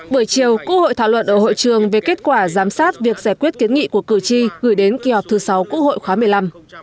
buổi chiều quốc hội thảo luận ở hội trường về kết quả giám sát việc giải quyết kiến nghị của cử tri gửi đến kỳ họp thứ sáu quốc hội khóa một mươi năm